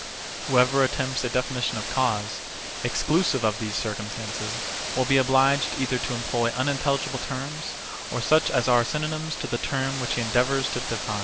Whoever attempts a definition of cause, exclusive of these circumstances, will be obliged either to employ unintelligible terms or such as are synonymous to the term which he endeavours to define.